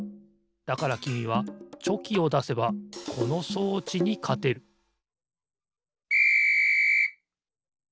だからきみはチョキをだせばこの装置にかてるピッ！